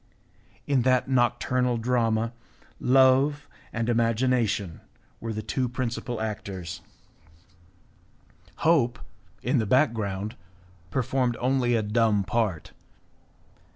In that nocturnal drama love and imagination were the two principal actors; hope, in the background, performed only a dumb part.